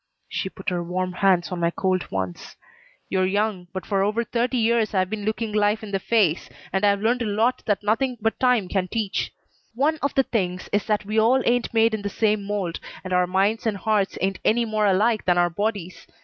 She put her warm hands on my cold ones. "You're young, but for over thirty years I have been looking life in the face, and I've learned a lot that nothing but time can teach. One of the things is that we all ain't made in the same mold, and our minds and hearts ain't any more alike than our bodies.